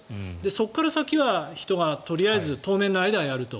そこから先は人がとりあえず当面の間はやると。